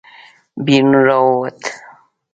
بېرون راووتو.